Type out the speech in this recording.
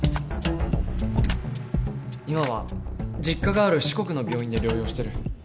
今は実家がある四国の病院で療養してる。